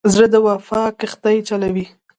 زړه د وفا کښتۍ چلوي.